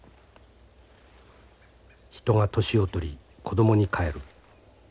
「人が年を取り子供に返る。